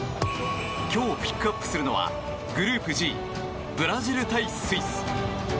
今日ピックアップするのはグループＧ、ブラジル対スイス。